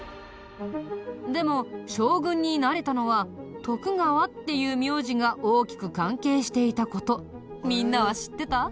でも将軍になれたのは「徳川」っていう名字が大きく関係していた事みんなは知ってた？